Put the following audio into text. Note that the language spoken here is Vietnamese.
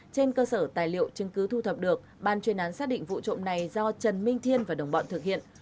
trên cơ sở tài liệu chứng cứ thu thập được ban chuyên án xác định vụ trộm này do trần minh thiên và đồng bọn thực hiện